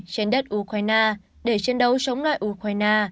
trên đất ukraine để chiến đấu chống lại ukraine